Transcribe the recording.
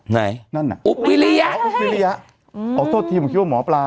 นั่นน่ะอุ๊บวิริยะอุ๊บวิริยะขอโทษทีผมคิดว่าหมอปลา